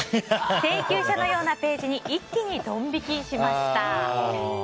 請求書のようなページに一気にドン引きしました。